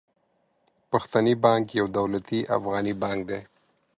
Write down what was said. پښتني بانک يو دولتي افغاني بانک دي.